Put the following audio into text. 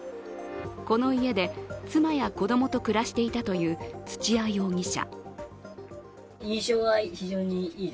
この家で妻や子供と暮らしていたという土屋容疑者。